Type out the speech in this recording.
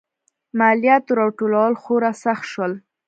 مالیاتو راټولول خورا سخت شول.